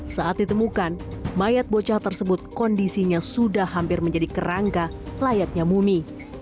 saat ditemukan mayat bocah tersebut kondisinya sudah hampir menjadi kerangka layaknya mumi